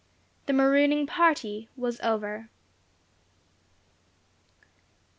The Marooning Party was Over.